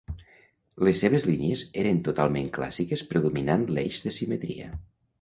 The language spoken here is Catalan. Les seves línies eren totalment clàssiques predominant l'eix de simetria.